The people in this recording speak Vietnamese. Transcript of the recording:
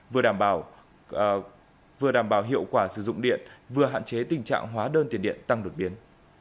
vừa đảm bảo hiệu quả sử dụng điện vừa hạn chế tình trạng hóa đơn tiền điện tăng đột biến